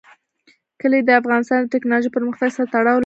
کلي د افغانستان د تکنالوژۍ پرمختګ سره تړاو لري.